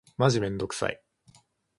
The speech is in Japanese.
マジめんどくさい。